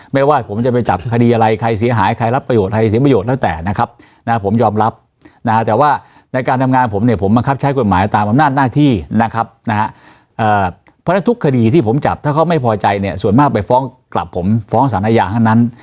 ไม่ว่าผมจะไปจับคดีอะไรใครเสียหายใครรับประโยชนใครเสียประโยชน์แล้วแต่นะครับนะผมยอมรับนะฮะแต่ว่าในการทำงานผมเนี่ยผมบังคับใช้กฎหมายตามอำนาจหน้าที่นะครับนะฮะเพราะฉะนั้นทุกคดีที่ผมจับถ้าเขาไม่พอใจเนี่ยส่วนมากไปฟ้องกลับผมฟ้องสารอาญาทั้งนั้น